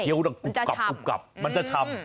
เคี้ยวต้องกุบกับมันจะชำ